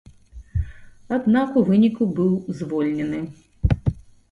Аднак у выніку быў звольнены.